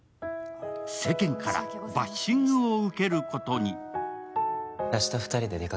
世間からバッシングを受けることに。